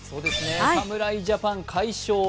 侍ジャパン快勝